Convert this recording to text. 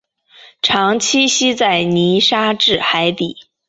常栖息在泥沙质海底。